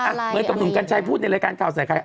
เหมือนกับหนุ่มกัญชัยพูดในรายการข่าวใส่ไข่